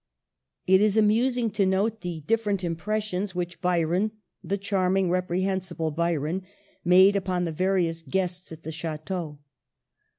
It is amusing to note the different impressions which Byron — the charming, reprehensible By ron — made upon the various guests at the Cha teau.